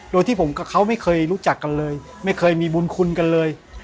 โดยที่ผมกับเขาไม่เคยรู้จักกันเลยไม่เคยมีบุญคุณกันเลย